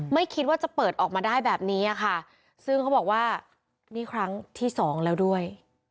ไม่คิดว่าจะเปิดออกมาได้แบบนี้ค่ะซึ่งเขาบอกว่านี่ครั้งที่สองแล้วด้วย